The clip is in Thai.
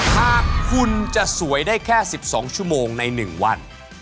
หากคุณจะสวยได้แค่๑๒ชั่วโมงใน๑วัน